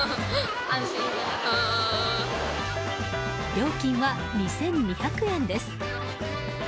料金は２２００円です。